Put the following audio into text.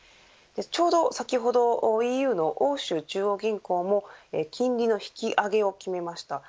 ちょうど先ほどＥＵの欧州中央銀行も金利の引き上げを決めました。